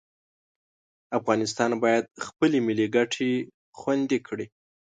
افغانستان باید خپلې ملي ګټې خوندي کړي.